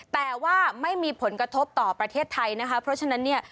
แต่ว่าไม่มีผลกระทบต่อประเทศไทยนะคะเพราะฉะนั้นเนี่ย